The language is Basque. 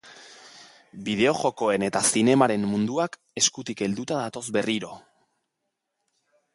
Bideo-jokoen eta zinemaren munduak eskutik helduta datoz berriro.